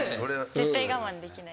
絶対我慢できない。